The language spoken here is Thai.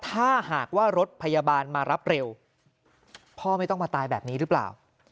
ถ้าหากว่ารถพยาบาลมารับเร็วพ่อไม่ต้องมาตายแบบนี้หรือเปล่า